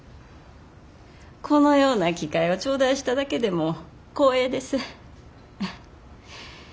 このような機会を頂戴しただけでも光栄です。